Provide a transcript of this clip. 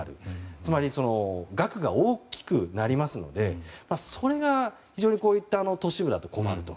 つまり、額が大きくなりますのでそれが、非常にこうした都市部だと困ると。